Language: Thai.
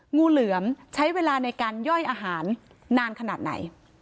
งูเหลือมใช้เวลาในการย่อยอาหารนานขนาดไหน